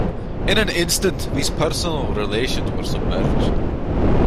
In an instant these personal relations were submerged.